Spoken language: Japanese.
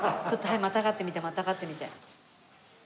ちょっとはいまたがってみてまたがってみて。